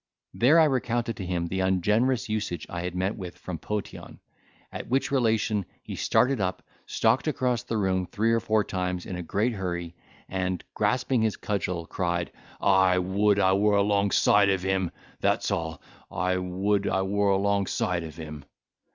There I recounted to him the ungenerous usage I had met with from Potion; at which relation he started up, stalked across the room three or four times in a great hurry, and, grasping his cudgel, cried, "I would I were alongside of him—that's all—I would I were alongside of him!"